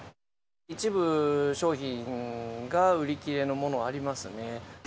一部商品が売り切れのもの、ありますね。